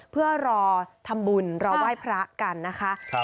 เพื่อรอทำบุญรอไหว้พระกันนะคะ